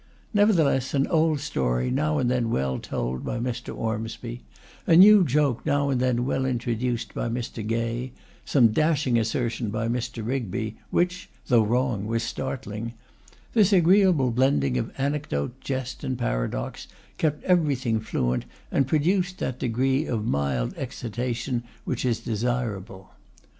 Nevertheless an old story now and then well told by Mr. Ormsby, a new joke now and then well introduced by Mr. Gay, some dashing assertion by Mr. Rigby, which, though wrong, was startling; this agreeable blending of anecdote, jest, and paradox, kept everything fluent, and produced that degree of mild excitation which is desirable.